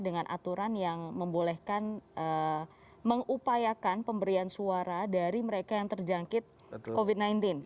dengan aturan yang membolehkan mengupayakan pemberian suara dari mereka yang terjangkit covid sembilan belas